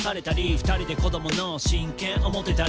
「２人で子供の親権を持てたり」